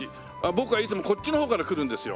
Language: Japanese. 僕はいつもこっちの方から来るんですよ。